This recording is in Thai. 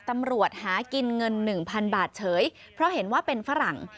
ตำรวจหากินเงินหนึ่งพันบาทเฉยเพราะเห็นว่าเป็นฝรั่ง